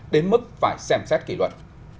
đến mức phải xem xét kỷ luật